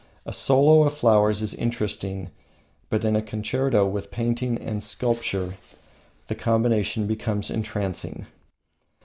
A solo of flowers is interesting, but in a concerto with painting and sculpture the combination becomes entrancing.